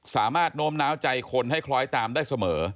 สามารถโน้มน้าวใจคนให้คล้อยตามได้เสมอ